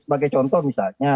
sebagai contoh misalnya